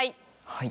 はい。